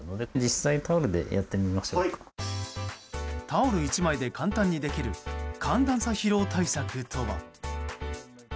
タオル１枚で簡単にできる寒暖差疲労対策とは。